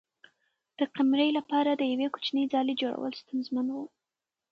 د قمرۍ لپاره د یوې کوچنۍ ځالۍ جوړول ستونزمن و.